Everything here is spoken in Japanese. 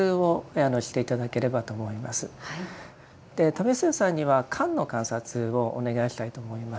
為末さんには「観」の観察をお願いしたいと思います。